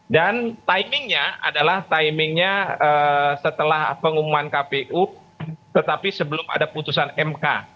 dan timingnya adalah setelah pengumuman kpu tetapi sebelum ada putusan mk